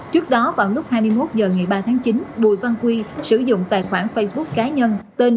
trước đó vào lúc hai mươi một h ngày ba tháng chín bùi văn quy sử dụng tài khoản facebook cá nhân tên